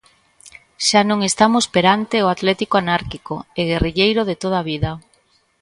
Xa non estamos perante o Atlético anárquico e guerrilleiro de toda a vida.